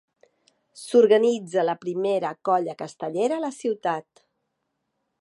S'organitza la primera colla castellera a la ciutat.